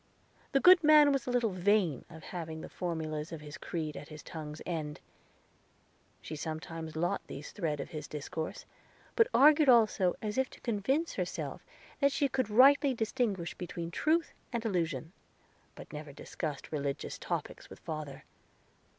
The good man was a little vain of having the formulas of his creed at his tongue's end. She sometimes lost the thread of his discourse, but argued also as if to convince herself that she could rightly distinguish between Truth and Illusion, but never discussed religious topics with father.